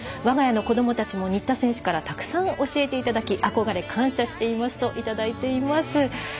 わが家の子どもたちも新田選手からたくさん教えていただき、憧れ感謝していますといただいています。